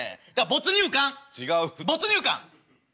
没入感。